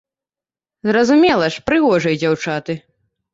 Зразумела ж, прыгожыя дзяўчаты.